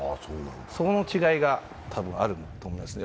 そこの違いが多分、あると思いますね。